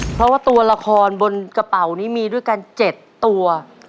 เพราะว่าตัวละครบนกระเป๋านี้มีด้วยกัน๗ตัว